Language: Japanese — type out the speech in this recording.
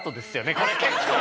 これ結構。